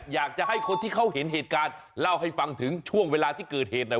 อยากจะให้คนที่เขาเห็นเหตุการณ์เล่าให้ฟังถึงช่วงเวลาที่เกิดเหตุหน่อย